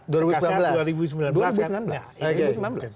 tekasnya dua ribu sembilan belas kan